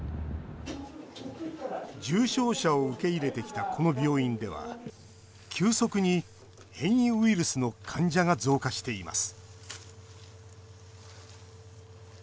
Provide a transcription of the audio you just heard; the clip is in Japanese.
重症者を受け入れてきたこの病院では急速に変異ウイルスの患者が増加しています